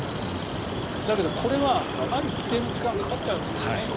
だけど、これはある一定の時間かかっちゃうわけですね